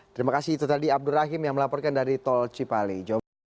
terima kasih itu tadi abdur rahim yang melaporkan dari tol cipali jawa barat